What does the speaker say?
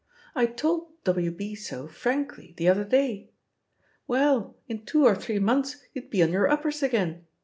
I told W. B. so frankly the other day. Well, in two or three months you'd be on your uppers again!